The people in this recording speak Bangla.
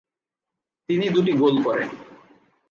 তিনি দুটি গোল করেন।